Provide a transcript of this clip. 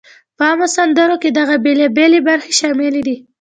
په عامو سندرو کې دغه بېلابېلی برخې شاملې دي: